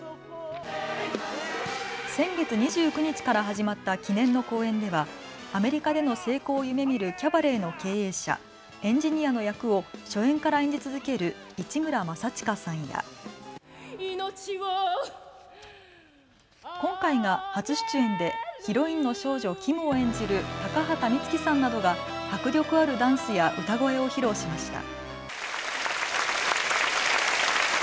先月２９日から始まった記念の公演ではアメリカでの成功を夢みるキャバレーの経営者エンジニアの役を初演から演じ続ける市村正親さんや今回が初出演でヒロインの少女キムを演じる高畑充希さんなどが迫力あるダンスや歌声を披露しました。